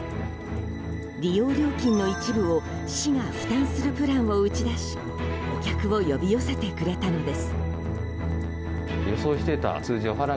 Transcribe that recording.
利用料金の一部を市が負担するプランを打ち出しお客を呼び寄せてくれたのです。